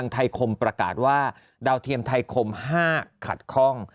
ไทยคมประกาศว่าดาวเทียมไทยคม๕ขัดคล่อง